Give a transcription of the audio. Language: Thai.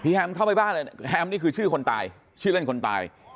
แฮมเข้าไปบ้านเลยแฮมนี่คือชื่อคนตายชื่อเล่นคนตาย